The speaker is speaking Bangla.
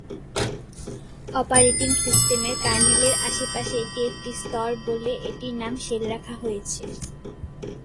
অপারেটিং সিস্টেমের কার্নেলের আশেপাশে এটি একটি স্তর বলে এটির নাম শেল রাখা হয়েছে।